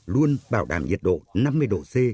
luôn bảo đảm nhiệt độ năm mươi độ c